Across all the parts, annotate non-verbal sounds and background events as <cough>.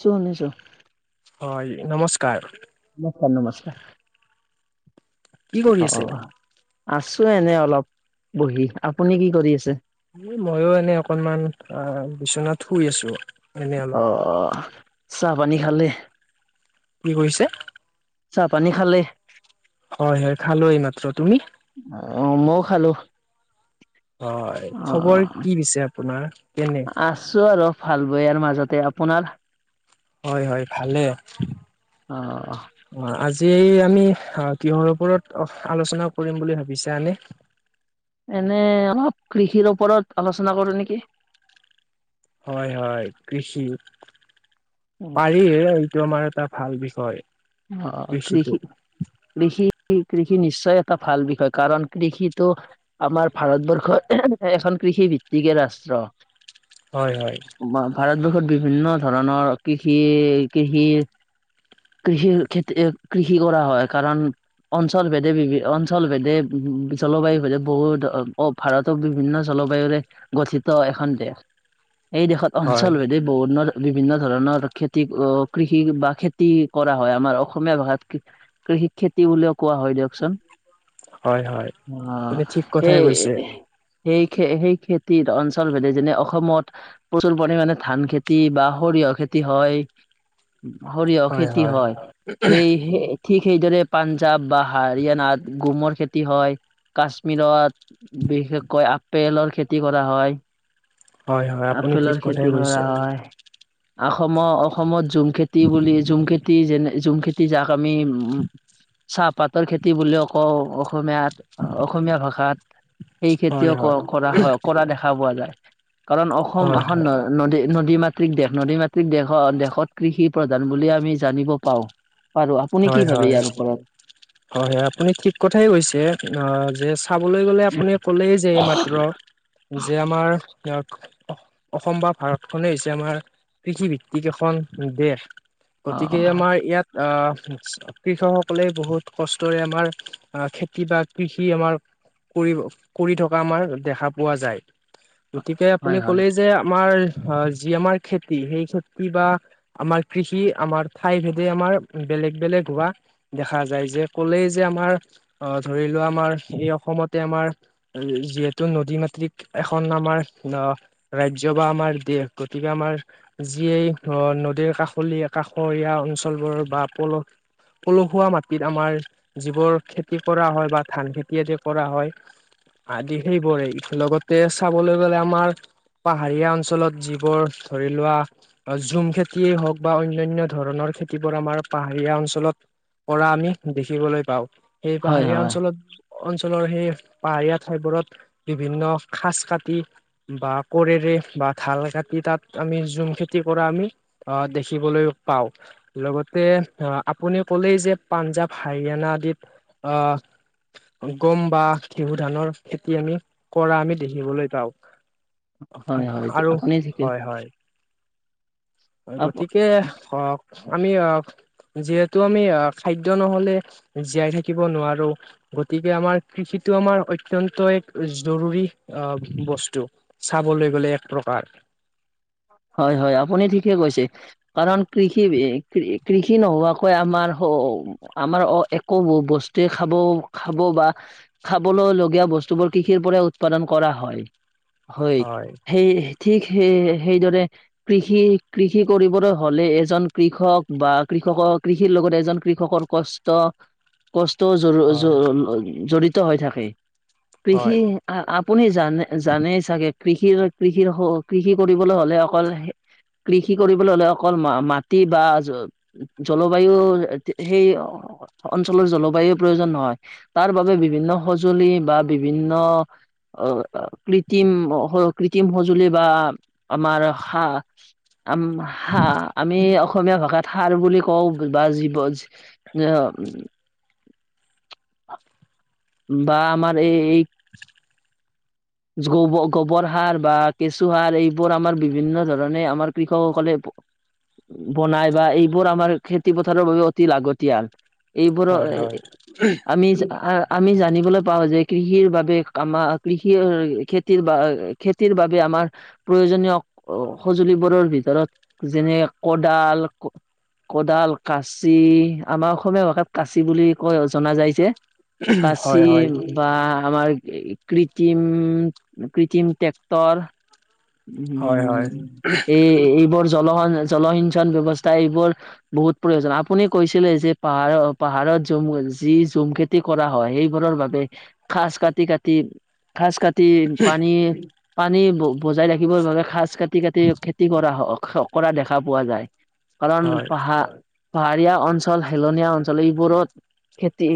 শুনিছো শুনিছো। হয়, নমস্কাৰ। নমস্কাৰ - নমস্কাৰ, কি কৰি অ' আছে? অ' আছ মই এনে অলপ বহি, আপুনি কি কৰি আছে? মইয়ো এনেই অকনমান আহ বিচনাত শুই আছো। এনে অলপ। অ' অ' চাহ পানী খালে? কি কৰিছে? চাহ পানী খালে? হয় হয় খালো এই মাত্ৰ তুমি? অ' মইও খালো। হয়, অ। খবৰ কি পিছে আপোনাৰ? কেনে? আছো আৰু ভাল বেয়াৰ মাজতে, আপোনাৰ? হয় হয় ভালে, অ অ' আজ আজি আমি আ কিহৰ ওপৰত অ আলোচনা কৰিম বুলি ভাবিছা এনেই? এনে অলপ কৃষিৰ ওপৰত আলোচনা কৰো নেকি? হয় হয় কৃষি পাৰি এইটো আমাৰ এটা ভাল বিষয়। অ' কৃষিটো কৃষি কৃষি কৃষি নিশ্চয় এটা ভাল বিষয় কাৰণ কৃষিটো আমাৰ ভাৰতবৰ্ষত এখন কৃষি ভিত্তিকে ৰাষ্ট্ৰ। হয় হয়। <unintelligible> বিভিন্ন ধৰণৰ কৃষি কৃষি কৃষিৰ খেতিৰে কৃষি কৰা হয় কাৰণ অঞ্চল ভেদে, <unintelligible> অঞ্চল ভেদে জলবায়ু ভেদে বহুত অ', ভাৰতৰ বিভিন্ন জলবায়ুৰে গঠিত এখন দেশ। এই দেশত হয় অঞ্চলভেদে বহুনৰ বিভিন্ন ধৰণৰ খেতি অ', কৃষি বা খেত তি কৰা হয় আমাৰ অসমীয়া ভাষাত কৃষি খেতি বুলিও কোৱা হয় দিয়কচোন। হয় হয় অ', আপুনি ঠিক কথাই সেই, কৈছে। সেই খে সেই খেতি অঞ্চলভেদে যেনে অসমত প্ৰচুৰ পৰিমাণে ধান খেতি বা সৰিয়হ খেত তি হয়, উম, সত খেতি হয়, সেই সে ঠিক সেইদৰে পাঞ্জাৱ বা হাৰিয়ানাত গোমৰ খেতি হয়। কাশ্মীৰত বিশেষকৈ আপেলৰ খেতি কৰা হয়। হয় হয় আপুনি আপেলৰ ঠিক কথাই খেতি কৰা কৈছে হয়। অসমৰ অসমত জুমখেতি, বুলি জুম খেতি, যেনে জুম খেতি যাক আমি উম চাহপাতৰ খেতি বুলিও কওঁ অসমীয়াত, অসমীয়া ভাষাত। সেই হয় খেতিও হয় হয়। কৰা হয়, কৰা দেখা পোৱা যায়, কাৰণ অসম হয়। এখন ন নদী নদী মাত দেশ, নদী মাতৃক দেশ দেশত কৃষি প্ৰধান বুলি আমি জানিব পাওঁ। পাৰো আপুনি কি হয় ভাবে হয় ইয়াৰ ওপৰত? হয় হয় আপুনি ঠিক কথাই কৈছে আহ যে চাবলৈ গলে আপুনি কলেই যে এই মাত্ৰ যে আমাৰ অসম বা ভাৰত খনেই হৈছে আমাৰ কৃষিভিত্তিক এখন দেশ। অ গতিকে আমাৰ ইয়াত অ' কৃষক সকলে বহুত কষ্টৰে আমাৰ আহ খেতি বা কৃষি আমাৰ কৰি কৰি থকা আমাৰ দেখা পোৱা যায়। গতিকে আপুনি হয় হয় ক'লেই যে আমাৰ অ' যি আমাৰ খেতি সেই খেতি বা আমাৰ কৃষি আমাৰ ঠাই ভেদে আমাৰ বেলেগ বেলেগ হোৱা দেখা যায়, যে ক'লেই যে আমাৰ অ' ধৰি লোৱা আমাৰ স অসমত আমাৰ যিহেতু নদী মাতৃক এখন আমাৰ ৰাজ্য বা আমাৰ দেশ গতিকে আমাৰ যিয়েই নদীৰ কাষৰীয়া কাষৰীয়া অঞ্চলবোৰৰ বা <unintelligible> পলসুৱা মাটিত আমাৰ যিবোৰ খেতি কৰা হয়, বা ধান খেতি আদি কৰা হয়। আদি সেইবোৰে, লগতে চাবলৈ গলে আমাৰ পাহাৰীয়া অঞ্চলত যিবোৰ ধৰি লোৱা অ' জুম খেতিয়ে হওক বা অন্যনয় ধৰণৰ খেতিবোৰ আমাৰ পাহাৰীয়া অঞ্চলত পৰা আমি দেখিবলৈ পাওঁ সেই হয় পাহাৰীয়া হয় অঞ্চলত অঞ্চলৰ সেই পাহাৰীয়া ঠাইবোৰত বিভিন্ন খাজ কাটি বা কোৰেৰে বা ঢাল কাটি তাত আমি জুম খেতি কৰা আমি অ' দেখিবলৈ পাওঁ, লগতে আহ আপুনি ক'লেই যে পাঞ্জাৱ, হাৰিয়ানা আদিত আহ গম বা ঘেহু ধানৰ খেতি আমি কৰা আমি দেখিবলৈ পাও। হয় হয় আৰু, আপুনি ঠিকে হয় হয়। হয় গতিকে অ' আমি আহ যিহেতু আমি আহ খাদ্য নহলে জীয়াই থাকিব নোৱাৰো গতিকে আমাৰ কৃষি সেইটো আমাৰ অত্যন্ত এক জৰুৰী বস্তু চাবলৈ গ'লে এক প্ৰকাৰ। <inaudible> হয় হয় আপুনি ঠিকে কৈছে, কাৰণ কৃষি কৃষি নোহোৱাকৈ আমাৰ আমাৰ অ' একো বস্তুৱে খাব খাব বা খাবলৈ লগীয়া বস্তুবোৰ কৃষিৰ পৰা উৎপাদন কৰা হয়, হয়, সেই ঠিক সেই সেইদৰে কৃষি কৃষি কৰিবলৈ হলে এজন কৃষক বা কৃষকৰ কৃষিৰ লগ লগত এজন কৃষকৰ কষ্ট ক য হয় য জড়িত হৈ থাকে কৃষি হয় আপুনি জানে জানে চাগে কৃষিৰ কৃষিৰ কৃষি কৰিবলৈ হ'লে অকল কৃষি কৰিবলৈ হলে অকল মাটি বা জলবায়ু সেই অঞ্চলৰ জলবায়ুৰ প্ৰয়োজন নহয়, তাৰ বাবোবে বিভিন্ন সঁজুলি বা বিভিন্ন অ, কৃত্ৰিম-কৃত্ৰিম সঁজুলি বা আমাৰ হা, <unintelligible> আমি অসমীয়া ভাষাত সাৰ বুলি কওঁ বা <unintelligible> বা আমাৰ এই-এই গোব-গোবৰ সাৰ বা কেঁচু সাৰ এইবোৰ আমাৰ বিভিন্ন ধৰণে আমাৰ কৃষকসকলে বনাই বা এইবোৰ আমাৰ খেতি পথাৰৰ বাবে অতি লাগতিয়াল। এইবোৰো হয় হয় আমি আমি জানিবলৈ পাওঁ যে কৃষিৰ বাবে আমাৰ কৃষি <unintelligible> খেতিৰ বা খেতিৰ বাবে আমাৰ প্ৰয়োজনীয় সজুলিবোৰৰ ভিতৰত যেনে কদাল কদাল, কাঁচি। আমাৰ অসমীয়া ভাষাত কাঁচি বুলি কয়, জনা যাই যে। কাঁচি হয় হয় বা আমাৰ কৃত্ৰিম-কৃত্ৰিম ট্ৰেক্টৰ হয় হয় উম, এই-এইবোৰ জলসন, জলসিঞ্চন ব্যৱস্থা এইবোৰ বহুত প্ৰয়োজন, আপুনি কৈছিলে যে পাহাৰ-পাহাৰৰ জুম, যি জুম খেতি কৰা হয় সেইবোৰৰ বাবে ঘাছ কাটি কাটি ঘাস কাটি, পানী-পানী বজাই ৰাখিবৰ বাবে সাজ কাটি কাটি কাটি খেতি কৰা হক, কৰা দেখা পোৱা যায়। কাৰণ হয় পাহাৰ পাহাৰীয়া অঞ্চল, হেলনীয়া অঞ্চল এইবোৰত খেতি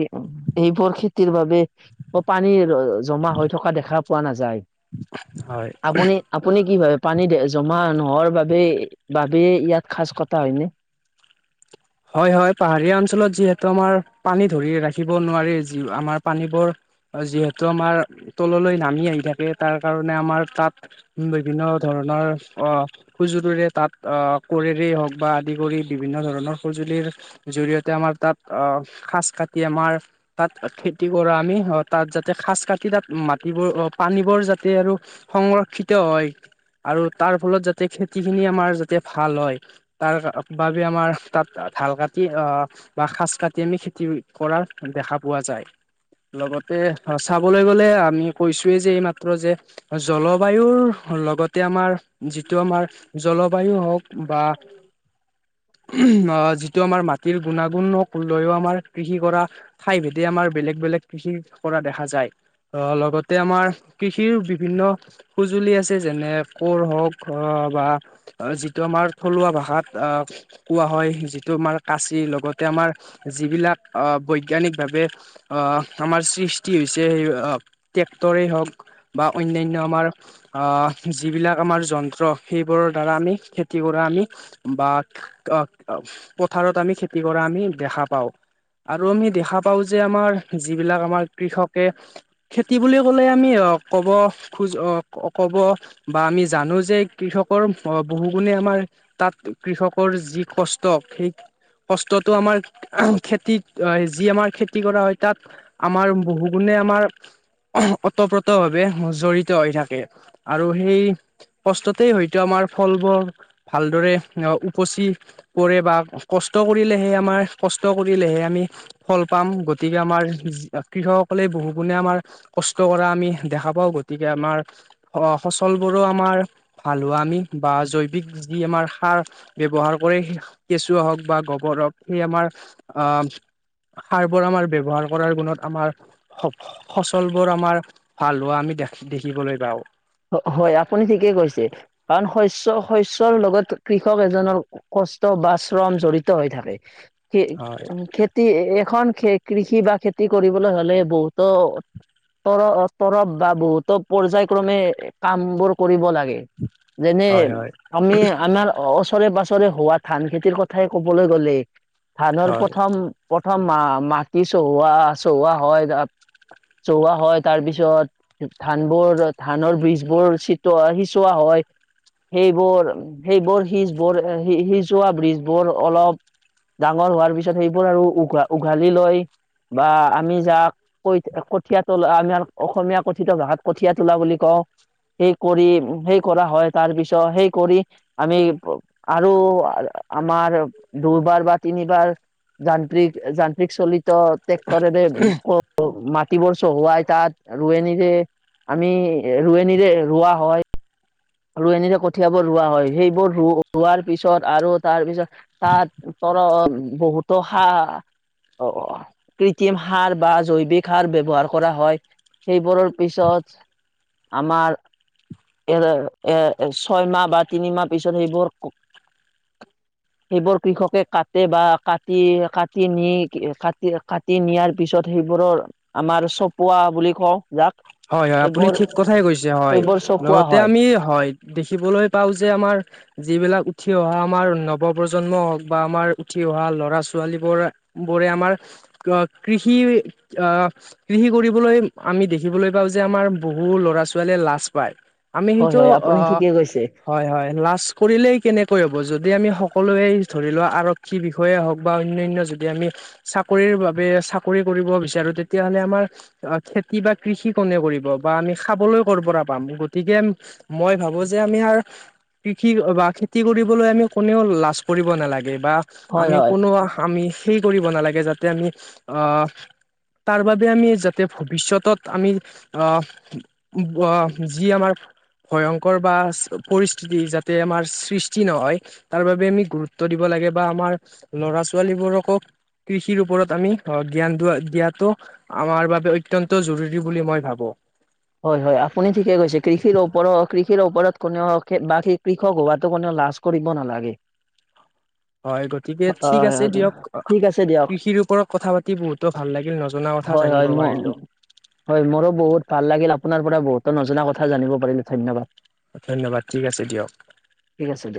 এইবোৰ খেতিৰ বাবে পানীৰ জমা হৈ থকা দেখা পোৱা নাযায়। হয় আপুনি, আপুনি কি ভাবে পানী জমা মানুহৰ বাবে, বাবে ইয়াত সাজ কথা হয়নে? হয় হয় পাহাৰীয়া অঞ্চলত যিহেতু আমাৰ পানী ধৰি ৰাখিব নোৱাৰি, যি আমাৰ পানীবোৰ যিহেতু আমাৰ তললৈ নামি আহি থাকে তাৰ কাৰণে আমাৰ তাত বিভিন্ন ধৰণৰ অ সজুলিৰে তাত অ কোৰেৰেই হওক বা আদি কৰি বিভিন্ন ধৰণৰ সজুলিৰ জৰিয়তে আমাৰ তাত অ সাজ কাটি আমাৰ তাত খেতি কৰা আমি। অ তাত যাতে সাজ কাটি তাত মাটিবোৰ অ পানী বোৰ যাতে আৰু সংৰক্ষিত হয়। আৰু তাৰ ফলত যাতে খেতি খিনি আমাৰ যাতে ভাল হয় তাৰ বাবে আমাৰ তাত ঢাল কাটি আহ বা সাজ কাটি আমি খেতি কৰা দেখা পোৱা যায়। লগতে চাবলৈ গ'লে আমি কৈছোৱয়েই যে এইমাত্ৰ যে জলবায়ুৰ লগতে আমাৰ যিটো আমাৰ জলবায়ু হওক বা যিটো আমাৰ মাটিৰ গুণাগুণক লয়ও আমাৰ কৃষি কৰা ঠাই ভেদে আমাৰ বেলেগ বেলেগ কৃষি কৰা দেখা যায়। অ লগতে আমাৰ কৃষিৰ বিভিন্ন সঁজুলি আছে, যেনে কোৰ হওঁক অ বা যিটো আমাৰ থলুৱা ভাষাত আহ কোৱা হয় যিটো আমাৰ কাচি লগতে আমাৰ যিবিলাক বৈজ্ঞানিকভাৱে আমাৰ সৃষ্টি হৈছে, ট্ৰেক্টৰে হওক বা অন্যান্য আমাৰ আহ যিবিলাক আমাৰ যন্ত্ৰ সেইবোৰৰ দ্বাৰা আমি খেতি কৰা আমি বা অ পথাৰত আমি খেতি কৰা আমি দেখা পাওঁ। আৰু আমি দেখা পাও যে আমাৰ যিবিলাক আমাৰ কৃষকে খেতি বুলি কলে আমি ক'ব খোজ অ কব বা আমি জানো যে কৃষকৰ বহু গুণে আমাৰ তাত কৃষকৰ যি কষ্ট সেই কষ্টতো আমাৰ খেতিত যি আমাৰ খেতি কৰা হয় তাত আমাৰ বহু গুণে। আমাৰ। ওতঃপ্ৰত ভাৱে জড়িত হৈ থাকে, আৰু সেই কষ্টতেই হয়তো আমাৰ। ফলবোৰ ভালদৰে উপচি কৰে বা কষ্ট কৰিলেহে আমাৰ কষ্ট কৰিলেহে আমি ফল পাম গতিকে আমাৰ কৃষকসকলে বহু গুণে আমাৰ কষ্ট কৰা আমি দেখা পাওঁ, গতিকে আমাৰ অ ফচলবোৰো আমাৰ ফালোঁ আমি বা জৈৱিক যি আমাৰ সাৰ ব্যৱহাৰ পৰে সেয়া কেঁচুৱা হওক বা গোবৰ হওক সেই আমাৰ আ সাৰ বোৰ আমাৰ ব্যৱহাৰ কৰাৰ গুণত আমাৰ ফচলবোৰ আমাৰ ভাল হোৱা আমি দেখ দেখিবলৈ পাওঁ। হয় আপুনি ঠিকেই কৈছে কাৰণ শস্য শস্যৰ লগত কৃষক এজনৰ কষ্ট বা শ্ৰম জড়িত হৈ থাকে। হয় খেতি এখন খে কৃষি বা খেতি কৰিবলৈ হ'লে বহুতো <unintelligible> বা বহুতো পৰ্যায়ক্ৰমে কাম বোৰ কৰিব লাগে, যেনে হয় হয় আমি আমাৰ অ' ফৰে বাছৰে হোৱা ধান খেতিৰ কথাই কবলৈ গ'লে ধানৰ হয় প্ৰথম মা মাটি চহোৱা চহোৱা হয় চহোৱা হয়, তাৰ পিছত ধানবোৰ ধানৰ বীজ বোৰ চিটৱা সিঁচোৱা হয় সেইবোৰ, সেইবোৰ সিজবোৰ সিজোৱা ব্ৰিজ বোৰ অলপ ডাঙৰ হোৱাৰ পিছত সেইবোৰ আৰু উঘা উঘালি লৈ বা আমি যাক ক কঠীয়া তোলা আমাৰ অসমীয়া কথিত ভাষাত কঠীয়া তোলা বুলি কওঁ। সেই কৰি, সেই কৰা হয়। তাৰপিছত সেই কৰি আমি আৰু আমাৰ দুবাৰ বা তিনিবাৰ যান্ত্ৰিক, যান্ত্ৰিক চলিত্ৰ টেক্টৰৰে ক মা <unintelligible> হোৱাই তাত ৰোৱনীৰে, আমি ৰোৱনীৰে ৰোৱা হয়। আৰু এনেৰে কঠিয়াবোৰ ৰোৱা হয় সেইবোৰ ৰ ৰোৱাৰ পিছত আৰু তাৰ পিছত তাত ৰ বহুত হা অ' কৃত্ৰিম সাৰ বা জৈৱিক সাৰ ব্যৱহাৰ কৰা হয়। সেইবোৰৰ পিছত আমাৰ এ এৰ ছয় মাহ বা তিনিমাহ পিছত সেইবোৰ সেইবোৰ কৃষকে কাটে বা কাটি কাটি নি কাটি কাটি নিয়াৰ পিছত সেই এইবোৰৰ আমাৰ চপোৱা বুলি কওঁ যাক হয় হয় আপুনি এইবোৰ ঠিক কথাই কৈছে, হয় এইবোৰ চপোৱা লগতে হয় আমি হয় দেখিবলৈ পাও যে আমাৰ যিবিলাক উঠি অহা আমাৰ নৱ প্ৰজন্ম হওক বা আমাৰ উঠি <unintelligible> ল'ৰা ছোৱালী বোৰ বোৰে আমাৰ অ' কৃষি অ' কৃষি ফুৰিলৈ আমি দেখিবলৈ পাওঁ যে আমাৰ বহু ল'ৰা ছোৱালীয়ে লাজ পায় আমি হয় সেইটো হয় অ' আপুনি ঠিকে কৈছে হয় হয় লাজ কৰিলেই কেনেক হ'ব যদি আমি সকলোৱে ধৰি লোৱা আৰক্ষী বিষয়ে হওক বা অনন্য়ানয় যদি আমি চাকৰি চাকৰি কৰিব বিচাৰো তেতিয়াহ'লে আমাৰ অ' খেতি বা কৃষি কোনে কৰিব বা আমি খাবলৈ কৰ পৰা পাম গতিকে মই ভাবো যে আমি কৃষি বা খেতি কৰিবলৈ আমি কোনেও লাজ কৰিব নালাগ গে বা হয় আমি হয় কোনো আমি সেই কৰিব নালাগে যাতে আমি অ', তাৰ বাবে আমি যাতে ভৱিষ্যতত আমি অ', উব, অ', যি আমাৰ ভয়ংকৰ বা পৰিস্থিতি যাতে আমাৰ সৃষ্টি নহয় তাৰ বাবে আমি গুৰুত্ব দিব লাগে বা আমাৰ ল'ৰা-ছোৱালীবোৰকক কৃষিৰ ওপৰত আমি অ', জ্ঞানটো দিয়াটো আমাৰ বাবে অত্যন্ত জৰুৰ ৰী বুলি মই ভাবো। হয়, হয় আপুনি ঠিকে কৈছে, কৃষিৰ ওপৰত, কৃষিৰ ওপৰত কোনেও বা কৃষক হোৱাটো কোনেও লাজ কৰিব নালাগে। হয় গতিকে ঠিক হয় আছে দিয়ক ঠিক আছে দিয়ক কৃষিৰ ওপৰত কথা পাতি বহুতো ভাল লাগিল নজনা কথা হয়, জানিব হয়, ম' পাৰিলো হয় মোৰো বহুত ভাল লাগ গিল আপোনাৰ পৰা বহুতো নজনা কথা জানিব পাৰিলোঁ, ধন্যবাদ। ধন্যবাদ, ঠিক আছে দিয়ক। ঠিক আছে দিয়ক